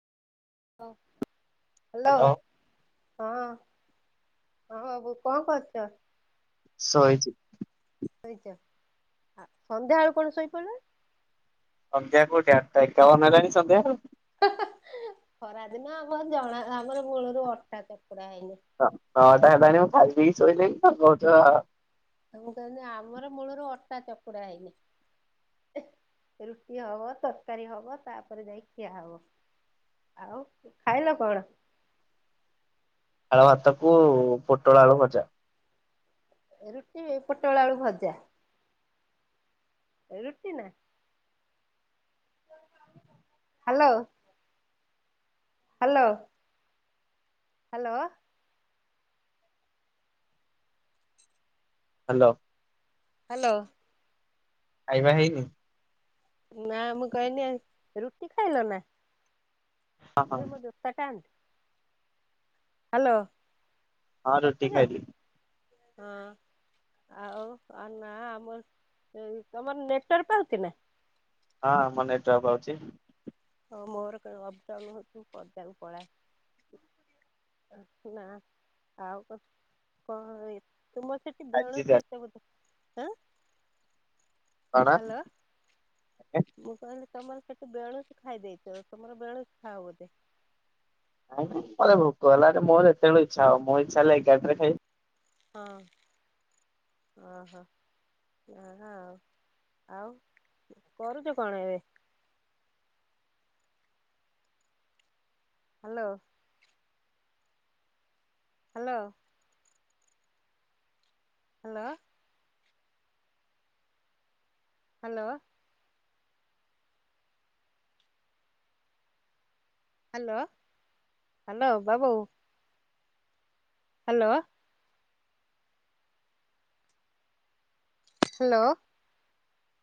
Hello ହଁ ହଁ ବାବୁ କଣ କରୁଛ? ସୋଇଛି। ସୋଇଛ ସନ୍ଧ୍ୟାବେଳୁ କଣ ଶୋଇପଡ଼ିଲ? ସନ୍ଧ୍ୟା କୋଉଠି ଆଠଟା ଏକାବନ ହେଲାଣି ସନ୍ଧ୍ୟା କଣ? ଖରାଦିନ ଆମର ଜଣା ଆମର ମୂଳରୁ ଅଟା ଚକୁଡ଼ା ହେଇନି। ହଁ ନଅଟା ହେଲାଣି ମୁଁ ଖାଇ ପିକୀ ସୋଇଲିଣୀ ତ କହୁଛ ମୁଁ କହିନି ଆମର ମୂଳରୁ ଅଟା ଚକୁଡ଼ା ହେଇନି। ରୁଟି ହବ ତରକାରୀ ହବ ତାପରେ ଯାଇକି ଖିଆ ହବ। ଆଉ ଖାଇଲ କଣ? ଖାଳ ଭାତକୁ ପୋଟଳ ଆଳୁ ଭଜା। ରୁଟି ପୋଟଳ ଆଳୁ ଭଜା। ରୁଟି ନା hello hello hello hello hello ଖାଇବା ହେଇନି? ନା ମୁଁ କହନି ରୁଟି ଖାଇଲ ନା? ହଁ ହଁ ଝିଅ ମୋ ଜୋତା ଟା ଆନ। ହାଲୋ, ହଁ କଟି ରୁଟି ଖାଇଲି ଯାଉଛି ହଁ ଆଉ ନା ଆମର ତମର ନେଟୱର୍କ ପାଉଛି ନା? ହଁ ଆମର ନେଟୱାର୍କ ପାଉଛି। ହଁ ମୋର କଣ ଅପ୍ ଡାଉନ୍ ହଉଛି ପଦାକୁ ପଳାଏ। ନା ଆଉ କ କଣ? ତୁମ ସେ ଫାଇଭ୍ ଜି ବେଣୁସ ଚାଲିଛି ଏତେ ବଧ ହଁ କଣ ହାଲୋ, ନାଇଁ ମୁଁ କହିଲି ତମର ସେଠି ବେଣୁସୁ ଖାଇଦେଇଥିବ, ତମର ବେଣୁସୁ ଖାଅ ବୋଧେ। ନାଇଁ ଭୋକ ହେଲାରେ ମୋର ଯେତେବେଳ ଇଛା ହବ, ମୋ ଇଛା ହେଲେ ଏଗାରଟାରେ ଖାଇବି। ହଁ, ଓ ହୋ। ନାହା ଆଉ, କରୁଛ କଣ ଏବେ? Hello hello hello hello hello, hello ବାବୁ। Hello hello